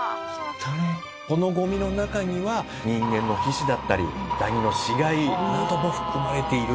このゴミの中には人間の皮脂だったりダニの死骸なども含まれているという。